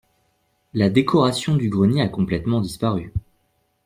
La décoration du grenier a complètement disparu.